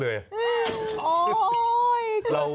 เกือบจะได้กินอีกแล้วอ่ะ